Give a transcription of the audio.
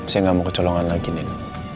saya gak mau kecolongan lagi nin